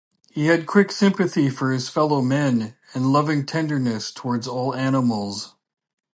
He had quick sympathy for his fellow-men, and loving tenderness towards all animals.